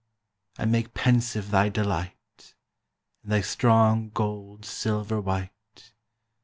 I make pensive thy delight, And thy strong gold silver white.